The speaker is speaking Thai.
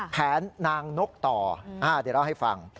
แผนนางนกต่อเดี๋ยวเล่าให้ฟัง